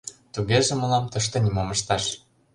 — Тугеже мылам тыште нимом ышташ.